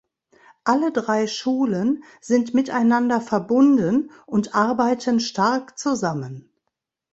Alle drei Schulen sind miteinander verbunden und arbeiten stark zusammen.